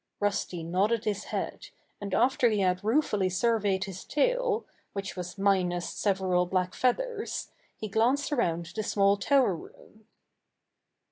Rusty nodded his head, and after he had ruefully surveyed his tail, which was minus several black feathers, he glanced around the small tower room.